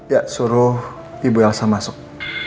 ya suruh ibu elsa masuk